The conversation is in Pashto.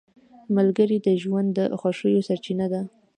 ملګری د ژوند د خوښیو سرچینه ده